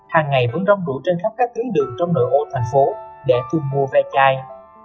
hàng ngày vẫn rong rủ trên khắp các tướng đường trong nội ô thành phố để thương mua ve chai